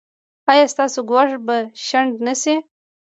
ایا ستاسو ګواښ به شنډ نه شي؟